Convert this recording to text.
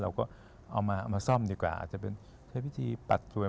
เราก็เอามาซ่อมดีกว่าอาจจะเป็นใช้พิธีปัดส่วน